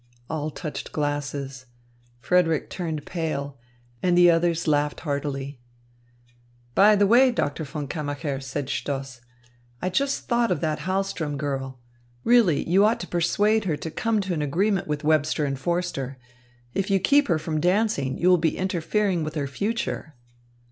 All touched glasses. Frederick turned pale, and the others laughed heartily. "By the way, Doctor von Kammacher," said Stoss, "I just thought of that Hahlström girl. Really, you ought to persuade her to come to an agreement with Webster and Forster. If you keep her from dancing, you will be interfering with her future."